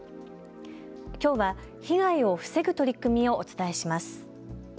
きょうは被害を防ぐ取り組みをお伝えします。